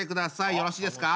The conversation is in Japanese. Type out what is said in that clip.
よろしいですか？